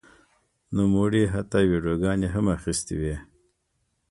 نوموړي حتی ویډیوګانې هم اخیستې وې.